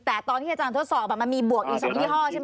แต่ตอนที่อาจารย์ทดสอบมันมีบวกอยู่๒ยี่ห้อใช่ไหม